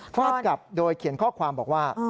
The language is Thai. ฟาดกลับโดยเขียนข้อความบอกว่า